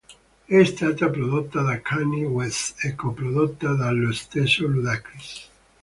È stata prodotta da Kanye West e co-prodotta dallo stesso Ludacris.